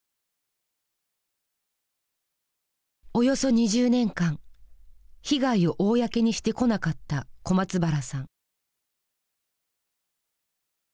およそ２０年間被害を公にしてこなかった小松原さん。